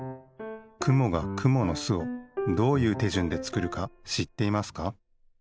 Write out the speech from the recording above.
くもがくものすをどういうてじゅんでつくるかしっていますか？